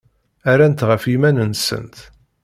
Rrant ɣef yiman-nsent.